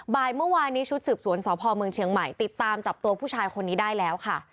เมื่อวานนี้ชุดสืบสวนสพเมืองเชียงใหม่ติดตามจับตัวผู้ชายคนนี้ได้แล้วค่ะ